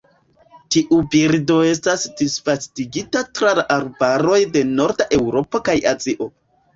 Tiu birdo estas disvastigata tra la arbaroj de norda Eŭropo kaj Azio.